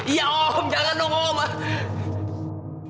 ya om jangan dong om